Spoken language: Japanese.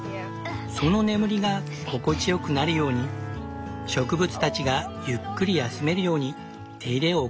その眠りが心地よくなるように植物たちがゆっくり休めるように手入れを行う。